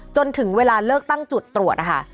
จนถึงเวลาเลิกตั้งจุดตรวจนะคะ